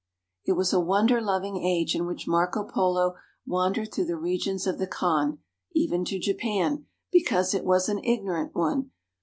It was a wonder loving age in which Marco Polo wandered through the regions of the Khan, even to Japan, because it was an ignorant one.